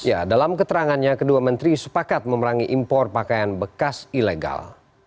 ya dalam keterangannya kedua menteri sepakat memerangi impor pakaian bekas ilegal